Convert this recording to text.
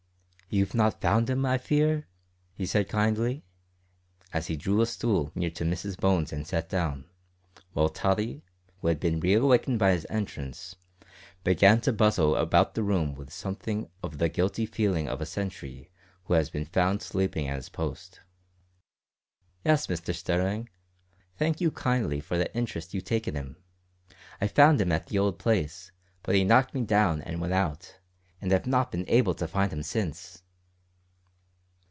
"You've not found him, I fear?" he said kindly, as he drew a stool near to Mrs Bones and sat down, while Tottie, who had been re awakened by his entrance, began to bustle about the room with something of the guilty feeling of a sentry who has been found sleeping at his post. "Yes, Mr Sterling; thank you kindly for the interest you take in 'im. I found 'im at the old place, but 'e knocked me down an' went out, an' I've not been able to find 'im since."